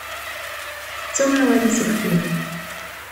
Tettu awal-is uffir.